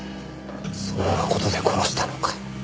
そんな事で殺したのかよ。